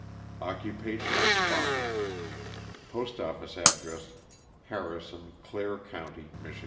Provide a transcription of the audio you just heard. Occupation, farming. Postoffice address, Harrison, Clare county, Mich.